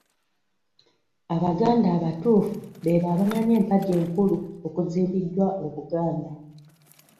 Abaganda abatuufu beebo abamanyi empagi enkulu okuzimbiddwa Obuganda.